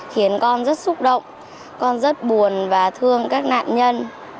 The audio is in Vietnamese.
khiến con rất xúc động con rất buồn và thương các nạn nhân